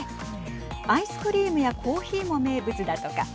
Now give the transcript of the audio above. アイスクリームやコーヒーも名物だとか。